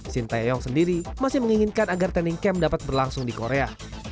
sintayong sendiri masih menginginkan agar training camp dapat berlangsung di korea